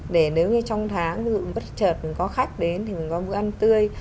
để nếu như trong tháng ví dụ bất chợt mình có khách đến thì mình có bữa ăn tươi